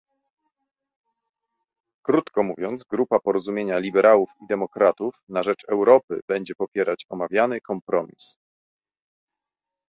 Krótko mówiąc, Grupa Porozumienia Liberałów i Demokratów na rzecz Europy będzie popierać omawiany kompromis